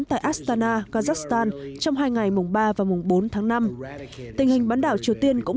tại astana kazakhstan trong hai ngày mùng ba và mùng bốn tháng năm tình hình bán đảo triều tiên cũng